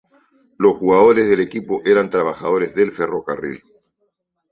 Los jugadores del equipo eran trabajadores del Ferrocarril.